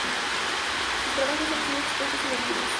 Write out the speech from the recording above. Sus trabajos han sido expuestos y vendidos en Sotheby's.